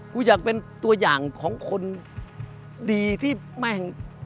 กูอยากเป็นตัวอย่างของคนดีที่แม่ง